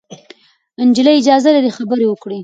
نجلۍ اجازه لري خبرې وکړي.